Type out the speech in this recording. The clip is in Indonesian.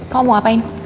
kamu mau ngapain